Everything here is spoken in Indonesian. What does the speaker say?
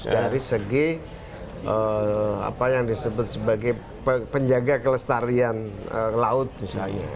dari segi apa yang disebut sebagai penjaga kelestarian laut misalnya